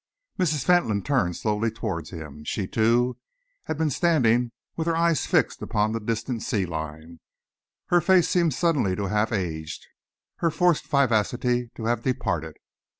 Mrs. Fentolin turned slowly towards him. She, too, had been standing with her eyes fixed upon the distant sea line. Her face seemed suddenly to have aged, her forced vivacity to have departed.